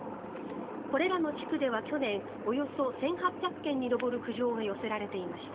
これらの地区では去年およそ１８００件に上る苦情が寄せられていました。